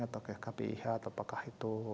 atau kayak kpih atau apakah itu